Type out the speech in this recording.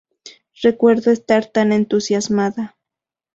Recuerdo estar tan entusiasmada.